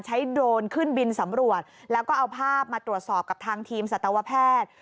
โดรนขึ้นบินสำรวจแล้วก็เอาภาพมาตรวจสอบกับทางทีมสัตวแพทย์